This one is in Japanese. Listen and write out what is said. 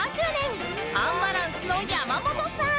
アンバランスの山本さん